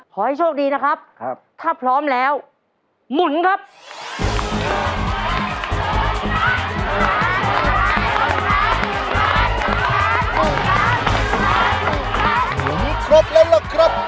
พ่อให้โชคดีนะครับถ้าพร้อมแล้วหมุนครับครับถ้าพร้อมแล้วหมุนครับ